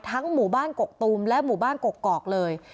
หมู่บ้านกกตูมและหมู่บ้านกกอกเลย